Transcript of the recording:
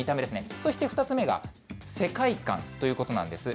そして２つ目が世界観ということなんです。